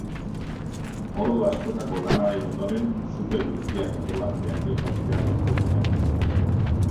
Ordu askotako lanaren ondoren, sute guztiak kontrolatzea eta itzaltzea lortu dute.